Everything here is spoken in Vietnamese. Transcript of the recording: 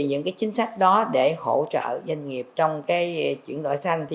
những chính sách đó để hỗ trợ doanh nghiệp trong chuyển đổi xanh